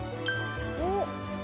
おっ。